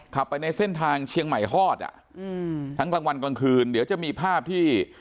ขับไปในเส้นทางเชียงใหม่ฮอดอ่ะอืมทั้งกลางวันกลางคืนเดี๋ยวจะมีภาพที่